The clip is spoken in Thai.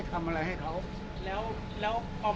แล้วแล้วหอยหอย